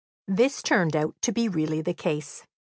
This turned out to be really the case.